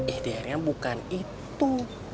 ikhtiarnya bukan itu